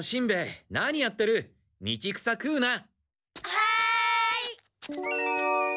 はい！